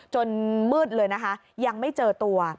มืดเลยนะคะยังไม่เจอตัว